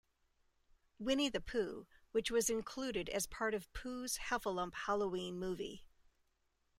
Winnie the Pooh", which was included as part of "Pooh's Heffalump Halloween Movie".